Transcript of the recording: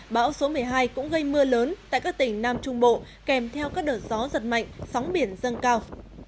bão số một mươi hai cũng gây mưa lớn tại các tỉnh nam trung bộ kèm theo các đợt gió giật mạnh sóng biển dâng cao